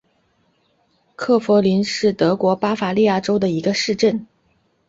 克弗灵是德国巴伐利亚州的一个市镇。